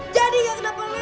jadi gak kena pernah hebat